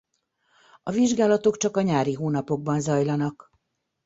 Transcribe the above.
A vizsgálatok csak a nyári hónapokban zajlanak.